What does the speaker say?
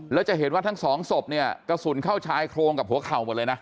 แล้วจะเห็นว่าทั้งสองศพเนี่ยกระสุนเข้าชายโครงกับหัวเข่าหมดเลยนะ